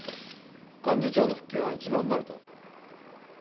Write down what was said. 幹事長の復帰はいつごろになると？